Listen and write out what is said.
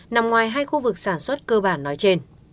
nằm ngoài hai khu vực sản xuất cơ bản nói trên